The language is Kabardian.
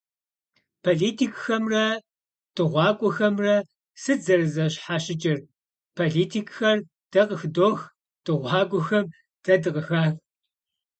Политикхэмрэ дыгъуакӏуэхэмрэ сыт зэрызэщхьэщыкӏыр? Политикхэр дэ къыхыдох, дыгъуакӀуэхэм дэ дыкъыхах.